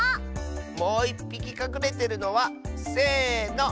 もういっぴきかくれてるのはせの。